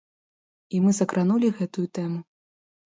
І мы закранулі гэтую тэму.